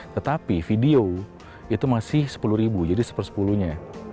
tetapi video itu masih sepuluh ribu jadi seper sepuluhnya